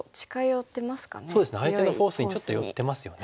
そうですね相手のフォースにちょっと寄ってますよね。